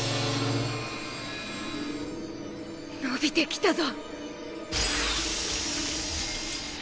伸びてきたぞ